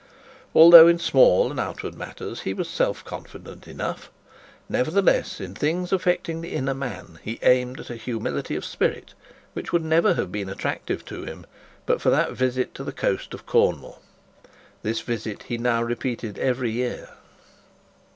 Although in small and outward matters he was self confident enough, nevertheless in things affecting the inner man he aimed at a humility of spirit which would never have been attractive to him but for that visit to the coast of Cornwall. This visit he now repeated every year.